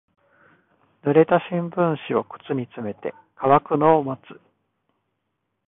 濡れた新聞紙を靴に詰めて乾くのを待つ。